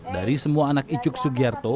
dari semua anak icuk sugiarto